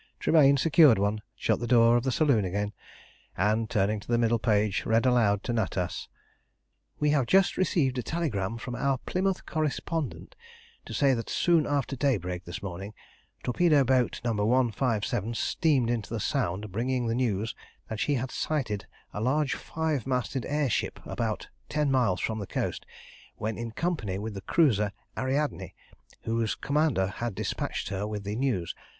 Tremayne secured one, shut the door of the saloon again, and, turning to the middle page, read aloud to Natas "We have just received a telegram from our Plymouth correspondent, to say that soon after daybreak this morning torpedo boat No. 157 steamed into the Sound, bringing the news that she had sighted a large five masted air ship about ten miles from the coast, when in company with the cruiser Ariadne, whose commander had despatched her with the news.